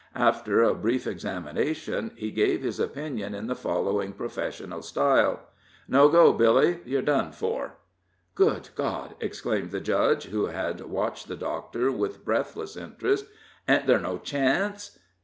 After a brief examination, he gave his opinion in the following professional style: "No go, Billy; you're done for." "Good God!" exclaimed the Judge, who had watched the Doctor with breathless interest; "ain't ther' no chance?"